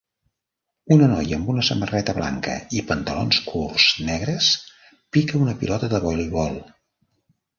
Una noia amb una samarreta blanca i pantalons curts negres pica una pilota de voleibol.